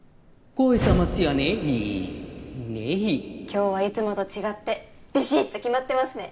今日はいつもと違ってビシッと決まってますね